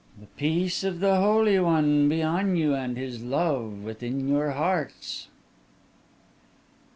"The peace of the Holy One be on you, and his love within your hearts!"